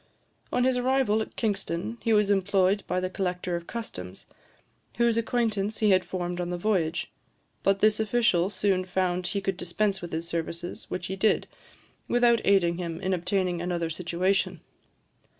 On his arrival at Kingston, he was employed by the collector of customs, whose acquaintance he had formed on the voyage; but this official soon found he could dispense with his services, which he did, without aiding him in obtaining another situation.